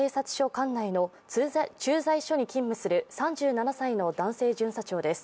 管内の駐在所に勤務する３７歳の男性巡査長です。